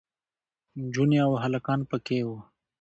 نجونې او هلکان پکې وو.